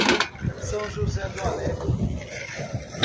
São José do Alegre